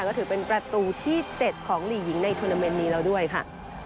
ก็ถือเป็นประตูที่๗ของหลีกหญิงในทุนาเมนต์นี้แล้วด้วยค่ะ